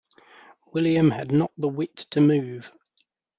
William had not the wit to move.